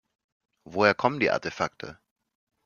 Woher kommen die Artefakte?